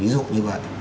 ví dụ như vậy